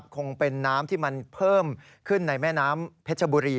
คงเป็นน้ำที่มันเพิ่มขึ้นในแม่น้ำเพชรบุรี